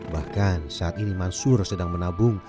bahkan saat ini mansur sedang menabung